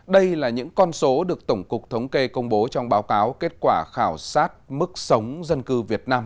đây là những con số được tổng cục thống kê công bố trong báo cáo kết quả khảo sát mức sống dân cư việt nam